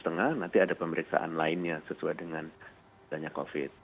nanti ada pemeriksaan lainnya sesuai dengan gajanya covid sembilan belas